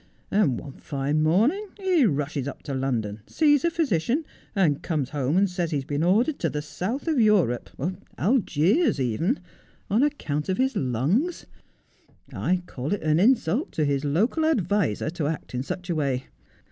And one fine morning he rushes up to London, sees a physician, and comes home and says he has been ordered to the south of Europe — or Algiers even — on account of his lungs. I call it an insult to his local adviser to act in such a way.